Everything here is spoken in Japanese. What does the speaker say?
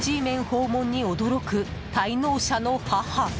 訪問に驚く滞納者の母。